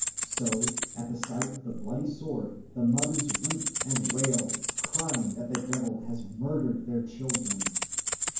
So at sight of the bloody sword the mothers weep and wail, crying that the devil has murdered their children.